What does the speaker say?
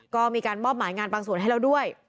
ก็มีการมอบหมายงานบางส่วนให้แล้วด้วย